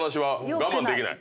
我慢できない。